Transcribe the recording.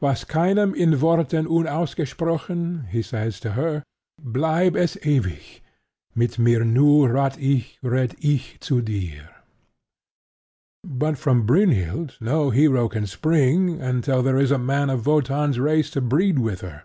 "Was Keinem in Worten unausgesprochen," he says to her, "bleib es ewig: mit mir nur rath' ich, red' ich zu dir." But from Brynhild no hero can spring until there is a man of Wotan's race to breed with her.